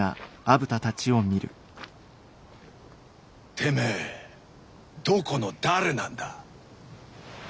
てめえどこの誰なんだ？